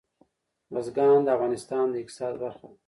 بزګان د افغانستان د اقتصاد برخه ده.